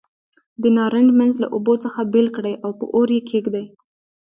د نارنج منځ له اوبو څخه بېل کړئ او په اور یې کېږدئ.